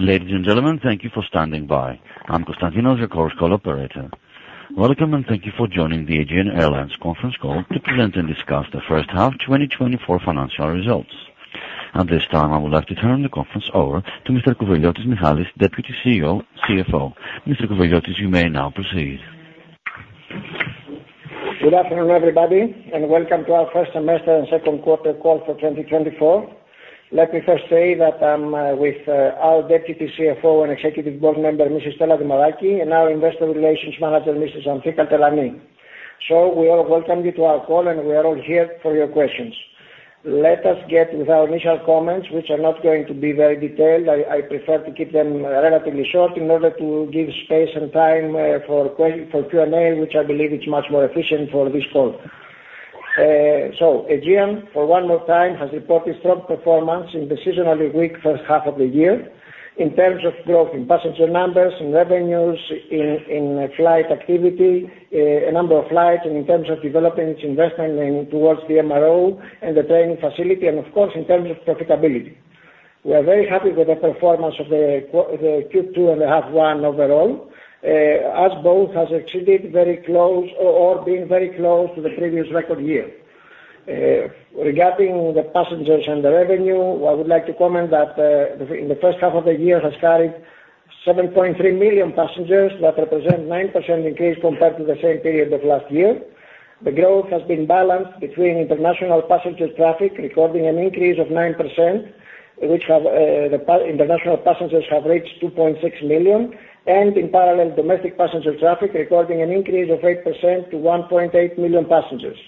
Ladies and gentlemen, thank you for standing by. I'm Constantinos, your call operator. Welcome, and thank you for joining the Aegean Airlines conference call to present and discuss the first half of 2024 financial results. At this time, I would like to turn the conference over to Mr. Kouveliotis, Michalis, Deputy CEO CFO. Mr. Kouveliotis, you may now proceed. Good afternoon, everybody, and welcome to our 2024 first semester and second quarter call for. Let me first say that I'm with our Deputy CFO and Executive Board Member, Mrs. Stella Dimaraki, and our investor relations manager, Ms. Anthi Katelani. So we all welcome you to our call, and we are all here for your questions. Let us get with our initial comments, which are not going to be very detailed. I prefer to keep them relatively short in order to give space and time for Q&A, which I believe is much more efficient for this call. So Aegean, for one more time, has reported strong performance in the seasonally weak first half of the year in terms of growth in passenger numbers, in revenues, in flight activity, a number of flights and in terms of developing its investment in towards the MRO and the training facility, and of course, in terms of profitability. We are very happy with the performance of the Q2 and the half one overall, as both has exceeded very close or been very close to the previous record year. Regarding the passengers and the revenue, I would like to comment that in the first half of the year has carried 7.3 million passengers. That represent 9% increase compared to the same period of last year. The growth has been balanced between international passenger traffic, recording an increase of 9%, with international passengers having reached 2.6 million, and in parallel, domestic passenger traffic, recording an increase of 8% - 1.8 million passengers.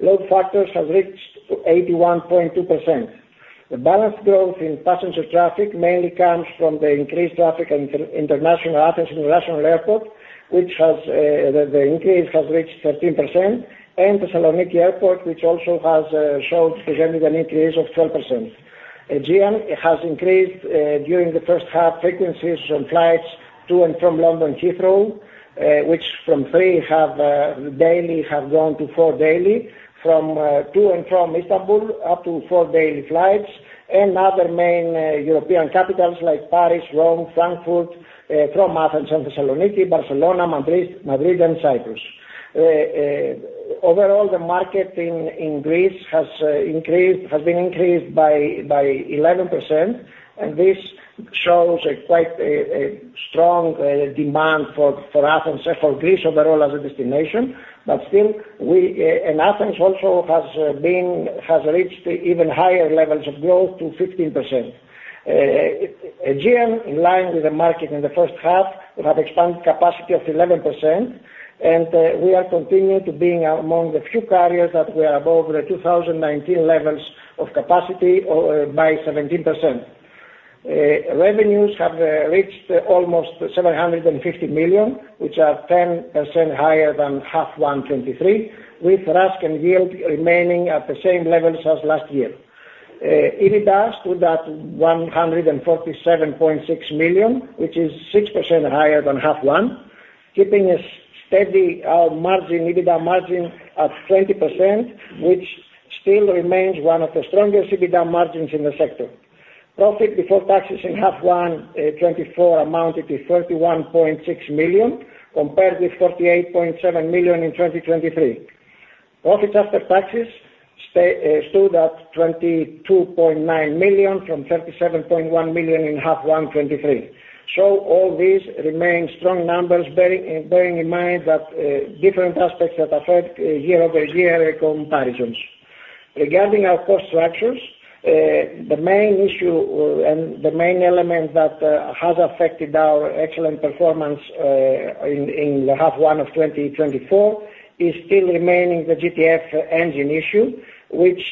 Load factors have reached 81.2%. The balanced growth in passenger traffic mainly comes from the increased traffic in international Athens International Airport, with the increase having reached 13%, and Thessaloniki Airport, which also has shown an increase of 12%. Aegean has increased during the first half frequencies on flights to and from London Heathrow, which from three daily have gone to four daily, to and from Istanbul up to four daily flights, and other main European capitals like Paris, Rome, Frankfurt from Athens and Thessaloniki, Barcelona, Madrid, and Cyprus. Overall, the market in Greece has been increased by 11%, and this shows quite a strong demand for Athens and for Greece overall as a destination. But still, Athens also has reached even higher levels of growth to 15%. Aegean, in line with the market in the first half, have expanded capacity 11%, and we are continuing to being among the few carriers that we are above the 2019 levels of capacity by 17%. Revenues have reached almost 750 million, which are 10% higher than half one 2023, with RASK and yield remaining at the same levels as last year. EBITDA stood at 147.6 million, which is 6% higher than half one, keeping a steady margin, EBITDA margin at 20%, which still remains one of the strongest EBITDA margins in the sector. Profit before taxes in half one 2024 amounted to 31.6 million, compared with 48.7 million in 2023. Profits after taxes stood at 22.9 million, from 37.1 million in half one, 2023. So all these remain strong numbers, bearing in mind that different aspects that affect year-over-year comparisons. Regarding our cost structures, the main issue and the main element that has affected our excellent performance in the half one of 2024 is still remaining the GTF engine issue, which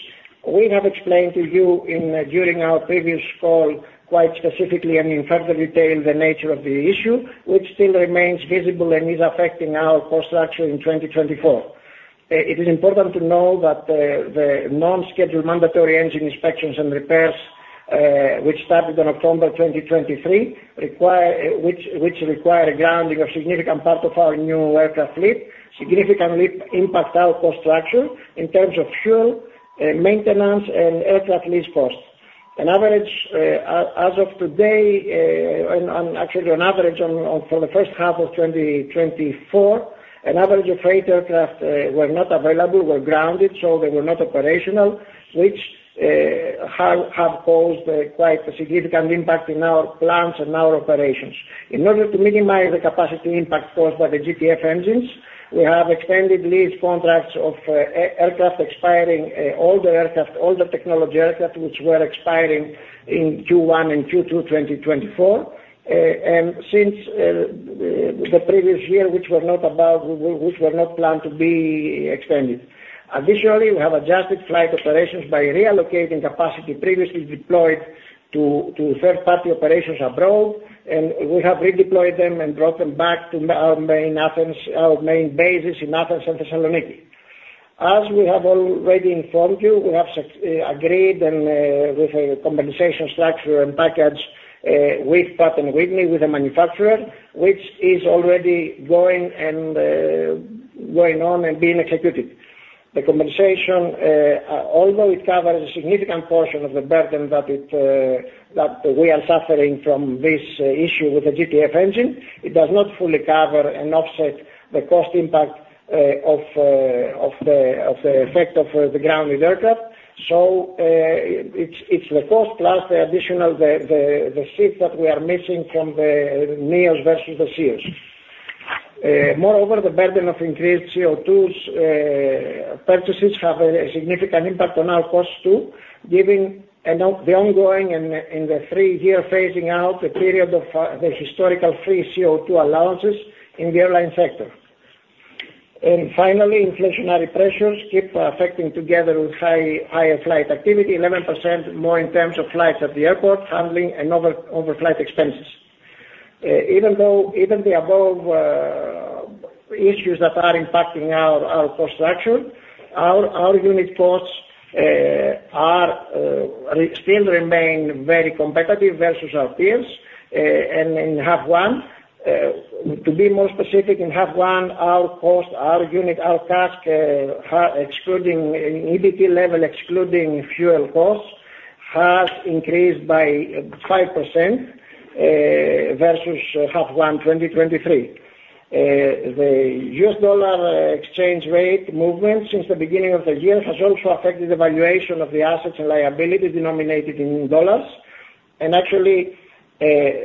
we have explained to you in during our previous call, quite specifically and in further detail, the nature of the issue, which still remains visible and is affecting our cost structure in 2024. It is important to know that the non-scheduled mandatory engine inspections and repairs, which started on October 2023, which require a grounding of significant part of our new aircraft fleet, significantly impact our cost structure in terms of fuel, maintenance and aircraft lease costs. On average, as of today, and actually on average for the first half of 2024, an average of eight aircraft were not available, were grounded, so they were not operational, which have caused a quite significant impact in our plans and our operations. In order to minimize the capacity impact caused by the GTF engines, we have extended lease contracts of aircraft expiring, older aircraft, older technology aircraft, which were expiring in Q1 and Q2 2024. And since the previous year, which were not planned to be extended. Additionally, we have adjusted flight operations by reallocating capacity previously deployed to third-party operations abroad, and we have redeployed them and brought them back to our main bases in Athens and Thessaloniki. As we have already informed you, we have agreed with a compensation structure and package with Pratt & Whitney, the manufacturer, which is already going on and being executed. The compensation, although it covers a significant portion of the burden that we are suffering from this issue with the GTF engine, does not fully cover and offset the cost impact of the effect of the grounded aircraft. It's the cost plus the additional seat that we are missing from the neos versus the ceos. Moreover, the burden of increased CO2 purchases have a significant impact on our cost, too, given the ongoing and the three-year phasing out period of the historical free CO2 allowances in the airline sector. And finally, inflationary pressures keep affecting together with higher flight activity, 11% more in terms of flights at the airport, handling and overflight expenses. Even though the above issues that are impacting our cost structure, our unit costs are still remain very competitive versus our peers, and in half one. To be more specific, in half one, our cost, our unit, our CASK, excluding, in EBT level, excluding fuel costs, has increased by 5% versus half one 2023. The US dollar exchange rate movement since the beginning of the year has also affected the valuation of the assets and liabilities denominated in dollars, and actually,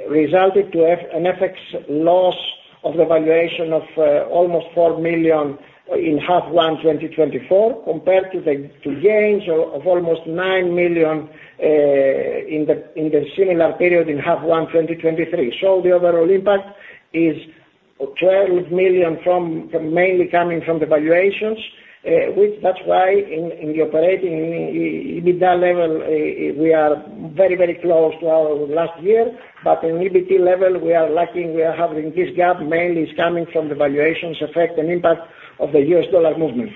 resulted to an FX loss of the valuation of almost 4 million in half one 2024, compared to gains of almost 9 million in the similar period in half one 2023. So the overall impact is 12 million from, mainly coming from the valuations, which that's why in the operating EBITDA level, we are very, very close to our last year. But in EBT level, we are lacking, we are having this gap, mainly it's coming from the valuations effect and impact of the US dollar movement.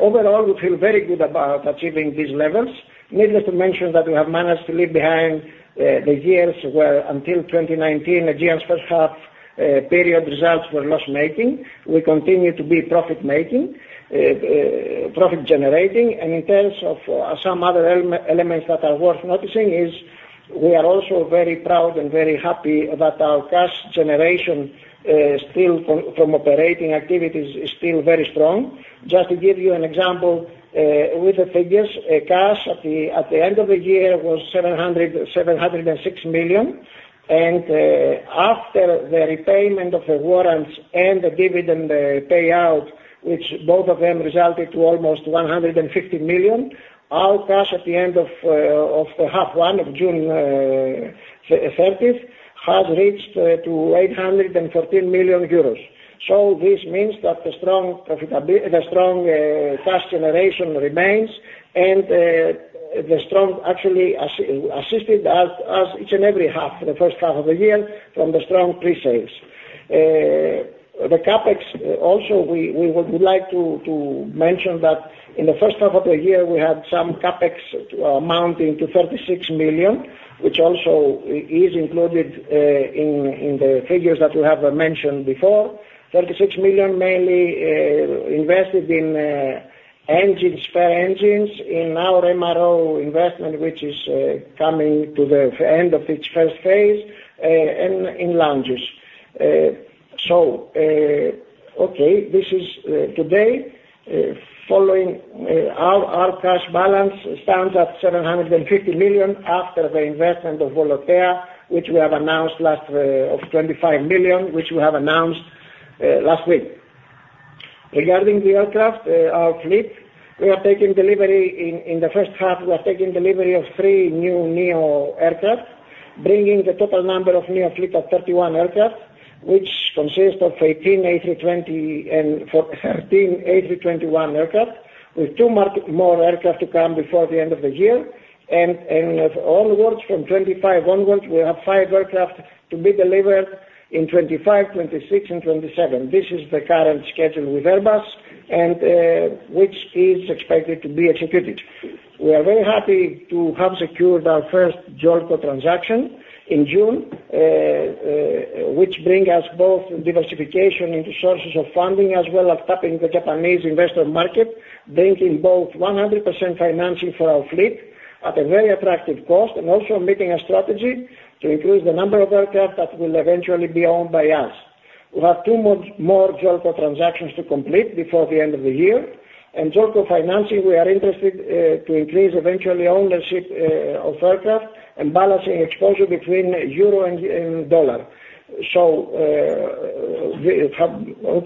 Overall, we feel very good about achieving these levels. Needless to mention that we have managed to leave behind the years where until 2019, Aegean's first half period results were loss-making. We continue to be profit-making, profit-generating. And in terms of some other elements that are worth noticing is we are also very proud and very happy that our cash generation still from operating activities is still very strong. Just to give you an example, with the figures, cash at the end of the year was 706 million EUR. After the repayment of the warrants and the dividend payout, which both of them resulted to almost 150 million, our cash at the end of the first half as of June thirtieth has reached to 814 million euros. This means that the strong profitability, the strong cash generation remains and the strong actually assisted us each and every half, the first half of the year from the strong pre-sales. The CapEx, also, we would like to mention that in the first half of the year, we had some CapEx amounting to 36 million, which also is included in the figures that we have mentioned before. 36 million mainly invested in engines, spare engines in our MRO investment, which is coming to the end of its first phase, and in lounges. So, okay, this is today following our cash balance stands at 750 million after the investment in Volotea of 25 million, which we have announced last week. Regarding the aircraft, our fleet, we are taking delivery in the first half, we are taking delivery of three new neo aircraft, bringing the total number of neo fleet of 31 aircraft, which consists of 18 A320 and 13 A321 aircraft, with two more aircraft to come before the end of the year. With all the orders from 2025 onwards, we have five aircraft to be delivered in 2025, 2026 and 2027. This is the current schedule with Airbus, which is expected to be executed. We are very happy to have secured our first JOLCO transaction in June, which bring us both diversification into sources of funding as well as tapping the Japanese investor market, bringing both 100% financing for our fleet at a very attractive cost and also meeting a strategy to increase the number of aircraft that will eventually be owned by us. We have two more JOLCO transactions to complete before the end of the year. JOLCO financing, we are interested to increase eventually ownership of aircraft and balancing exposure between euro and dollar.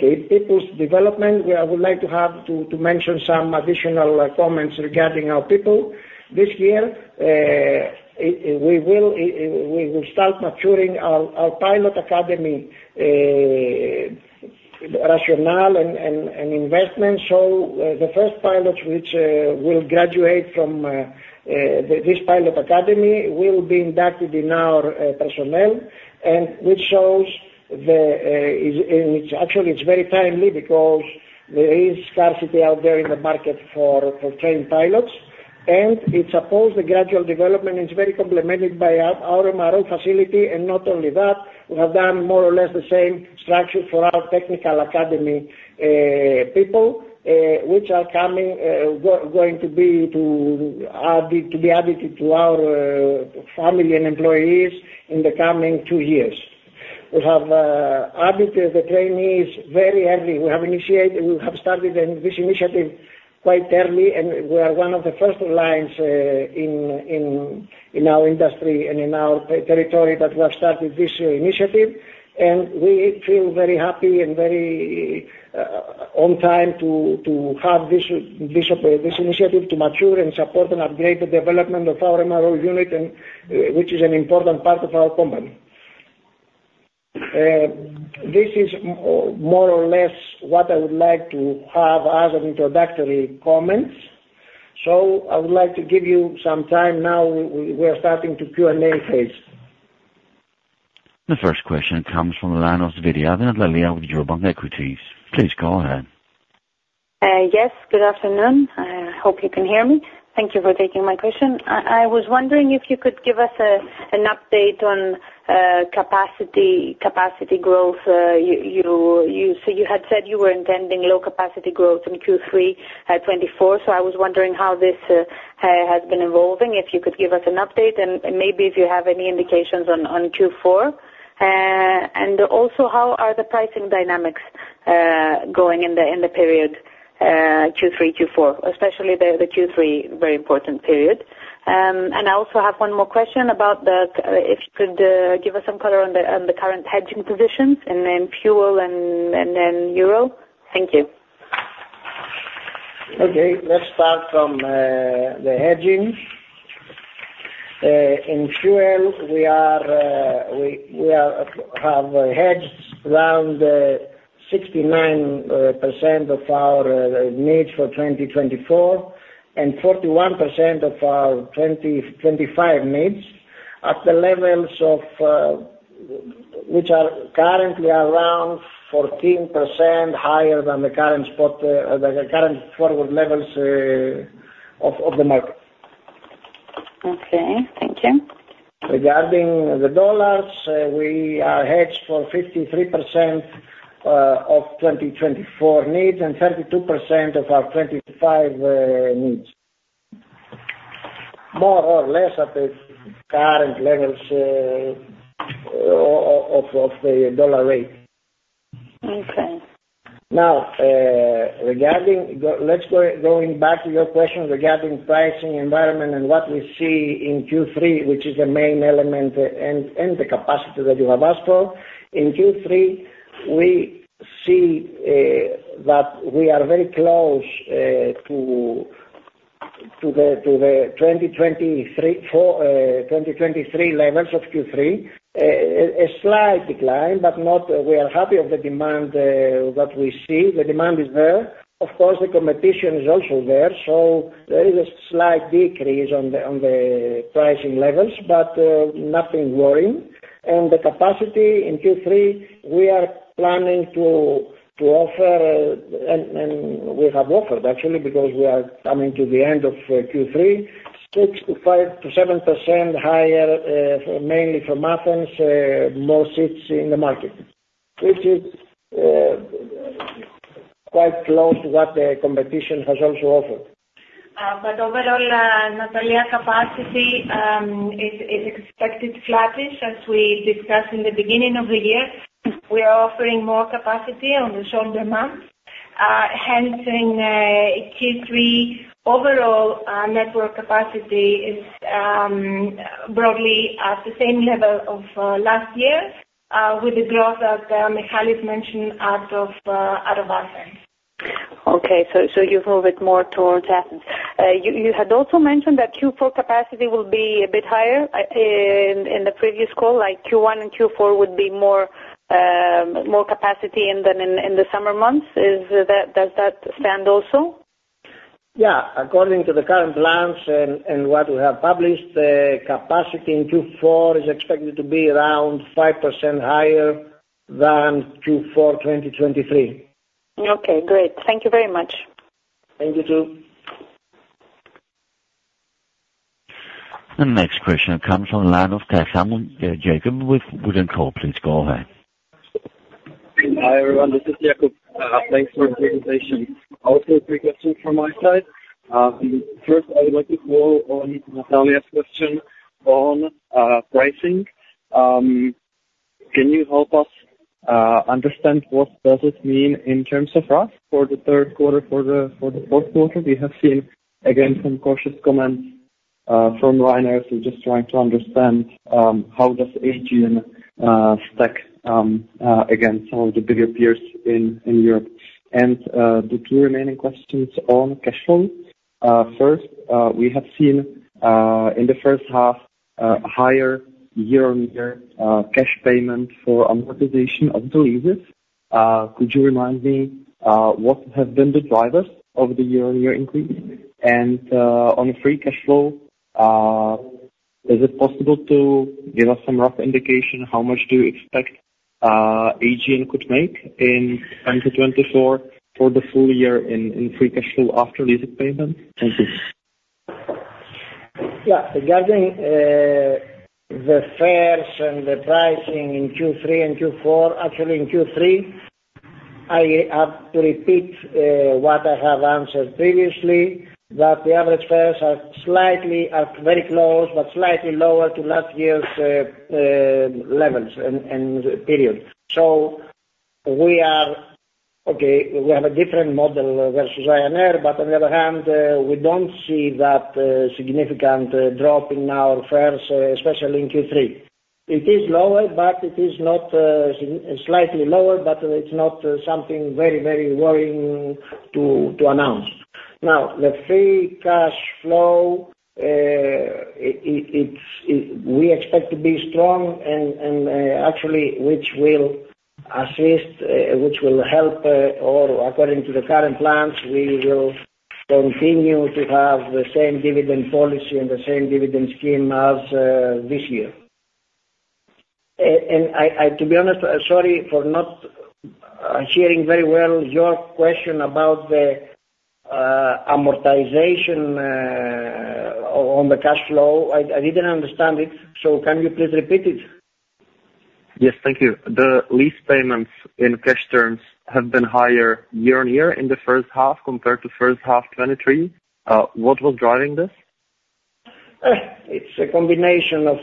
People's development, I would like to mention some additional comments regarding our people. This year, we will start maturing our pilot academy rationale and investment. The first pilot which will graduate from this pilot academy will be inducted in our personnel, and which shows the... It's actually very timely because there is scarcity out there in the market for trained pilots... and it supports the gradual development and is very complemented by our MRO facility. Not only that, we have done more or less the same structure for our technical academy people which are going to be added to our family and employees in the coming two years. We have added the trainees very early. We have started then this initiative quite early, and we are one of the first lines in our industry and in our territory that we have started this initiative, and we feel very happy and very on time to have this initiative to mature and support and upgrade the development of our MRO unit and which is an important part of our company. This is more or less what I would like to have as introductory comments, so I would like to give you some time now, we are starting to Q&A phase. The first question comes from the line of Natalia with Eurobank Equities. Please go ahead. Yes, good afternoon. Hope you can hear me. Thank you for taking my question. I was wondering if you could give us an update on capacity growth. You had said you were intending low capacity growth in Q3 twenty-four, so I was wondering how this has been evolving, if you could give us an update and maybe if you have any indications on Q4. Also, how are the pricing dynamics going in the period Q3, Q4, especially the Q3 very important period. I also have one more question about if you could give us some color on the current hedging positions and then fuel and then euro. Thank you. Okay, let's start from the hedging. In fuel, we have hedged around 69% of our needs for twenty twenty-four, and 41% of our twenty twenty-five needs at the levels of which are currently around 14% higher than the current spot, the current forward levels of the market. Okay, thank you. Regarding the dollars, we are hedged for 53% of 2024 needs and 32% of our 2025 needs. More or less at the current levels of the dollar rate. Okay. Now, regarding going back to your question regarding pricing environment and what we see in Q3, which is the main element, and the capacity that you have asked for. In Q3, we see that we are very close to the 2023 levels of Q3. A slight decline, but we are happy of the demand what we see. The demand is there. Of course, the competition is also there, so there is a slight decrease on the pricing levels, but nothing worrying. And the capacity in Q3, we are planning to offer and we have offered, actually, because we are coming to the end of Q3, 5%-7% higher, mainly from Athens, more seats in the market, which is quite close to what the competition has also offered. But overall, Natalia, capacity is expected to flatten, as we discussed in the beginning of the year. We are offering more capacity on the shoulder month, hence in Q3 overall, network capacity is broadly at the same level of last year, with the growth that Michalis mentioned out of Athens. Okay, so you move it more towards Athens. You had also mentioned that Q4 capacity will be a bit higher in the previous call, like Q1 and Q4 would be more capacity in the summer months. Does that stand also? Yeah, according to the current plans and what we have published, the capacity in Q4 is expected to be around 5% higher than Q4 2023. Okay, great. Thank you very much. Thank you, too. The next question comes from the line of Tess Hammond, Jacob, with Wood & Co. Please go ahead. Hi, everyone, this is Jakub. Thanks for the presentation. Also three questions from my side. First, I would like to follow on Natalia's question on pricing. Can you help us understand what does it mean in terms of risk for the third quarter, for the fourth quarter? We have seen, again, some cautious comments from liners. We're just trying to understand how does Aegean stack against some of the bigger peers in Europe. And the two remaining questions on cash flow. First, we have seen in the first half higher year-on-year cash payment for amortization of the leases. Could you remind me what have been the drivers of the year-on-year increase? Caithaml, JakubOn free cash flow, is it possible to give us some rough indication, how much do you expect? ... Aegean could make in 2024 for the full year in free cash flow after leasing payment? Thank you. Yeah, regarding the fares and the pricing in Q3 and Q4, actually in Q3, I have to repeat what I have answered previously, that the average fares are slightly, are very close, but slightly lower to last year's levels and period. So we are- okay, we have a different model versus Ryanair, but on the other hand, we don't see that significant drop in our fares, especially in Q3. It is lower, but it is not sign- slightly lower, but it's not something very, very worrying to announce. Now, the free cash flow, we expect to be strong and actually, which will help, or according to the current plans, we will continue to have the same dividend policy and the same dividend scheme as this year. To be honest, sorry for not hearing very well your question about the amortization on the cash flow. I didn't understand it, so can you please repeat it? Yes, thank you. The lease payments in cash terms have been higher year on year in the first half compared to first half 2023. What was driving this? It's a combination of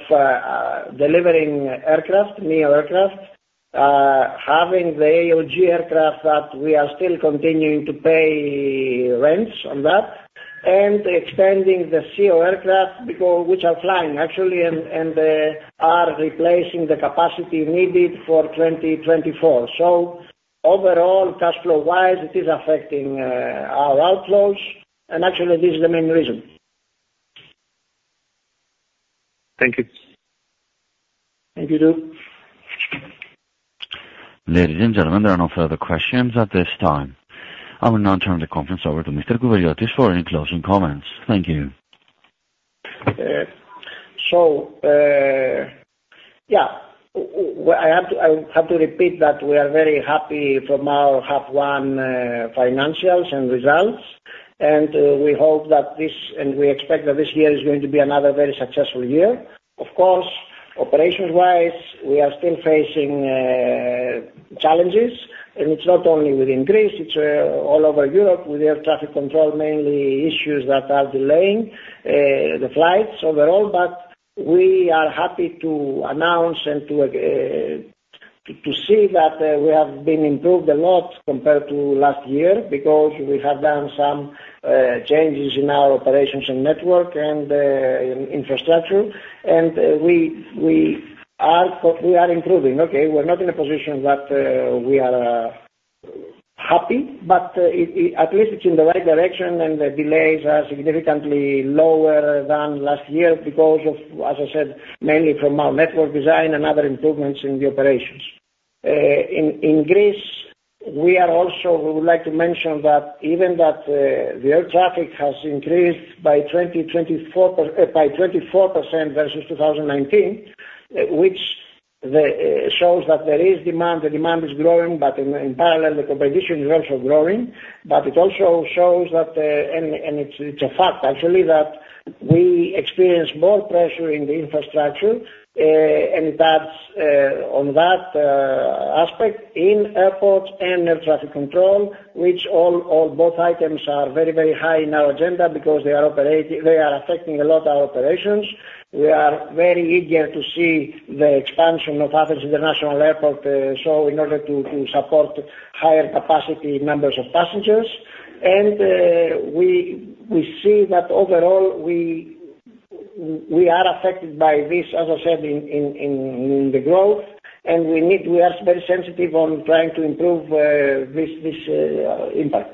delivering aircraft, neo aircraft, having the AOG aircraft that we are still continuing to pay rents on that, and extending the CEO aircraft that we're flying actually, and they are replacing the capacity needed for 2024. So overall, cash flow-wise, it is affecting our outflows, and actually, this is the main reason. Thank you. Thank you, too. Ladies and gentlemen, there are no further questions at this time. I will now turn the conference over to Mr. Kouveliotis for any closing comments. Thank you. So, yeah, well, I have to repeat that we are very happy from our half one financials and results, and we hope that this and we expect that this year is going to be another very successful year. Of course, operations-wise, we are still facing challenges, and it's not only within Greece, it's all over Europe, with air traffic control, mainly issues that are delaying the flights overall. But we are happy to announce and to see that we have been improved a lot compared to last year, because we have done some changes in our operations and network and in infrastructure. We are, but we are improving. Okay, we're not in a position that we are happy, but it at least it's in the right direction and the delays are significantly lower than last year because of, as I said, mainly from our network design and other improvements in the operations. In Greece, we are also we would like to mention that even that the air traffic has increased by 24% versus 2019, which shows that there is demand, the demand is growing, but in parallel, the competition is also growing. But it also shows that, and it's a fact actually, that we experience more pressure in the infrastructure, and that's on that aspect in airports and air traffic control, which both items are very high in our agenda because they are affecting a lot our operations. We are very eager to see the expansion of Athens International Airport, so in order to support higher capacity numbers of passengers. And we see that overall, we are affected by this, as I said, in the growth, and we are very sensitive on trying to improve this impact.